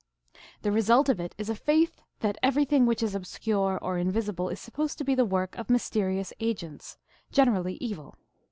The result of it is a faith that everything which is obscure or invisible is supposed to be the work of mysterious agents, generally evil.